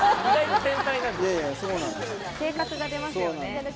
性格が出ますよね。